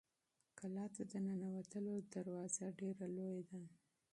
کلا ته د ننوتلو دروازه ډېره لویه ده.